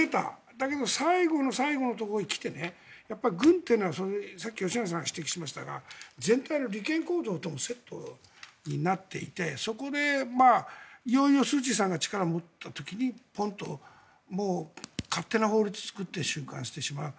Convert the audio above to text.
だけど最後の最後のところに来てさっき吉永さんが指摘しましたが全体の利権行動になっていていよいよスーチーさんが力を持った時にもう、勝手な法律を作って収監してしまう。